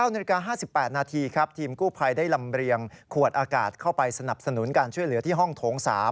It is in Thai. นาฬิกา๕๘นาทีครับทีมกู้ภัยได้ลำเรียงขวดอากาศเข้าไปสนับสนุนการช่วยเหลือที่ห้องโถง๓